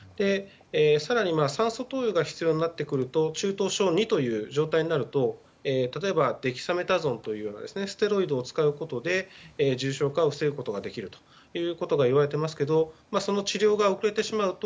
更に酸素投与が必要になってくると中等症２という状態になると例えば、デキサメタゾンというステロイドを使うことで重症化を防ぐことができるということが言われていますがその治療が遅れてしまうと